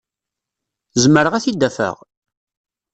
Zemreɣ ad t-id-afeɣ?